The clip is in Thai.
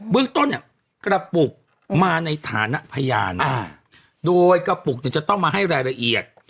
เบื้องต้นกระปุกมาในฐานะพยานโดยกระปุกจะต้องมาให้รายละเอียด